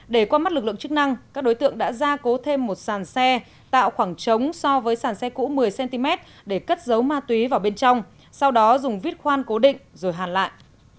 để qua mắt lực lượng chức năng các đối tượng đã ra cố thêm một sàn xe tạo khoảng trống so với sàn xe cũ một mươi cm để cất giấu ma túy vào bên trong sau đó dùng vít khoan cố định rồi hàn lại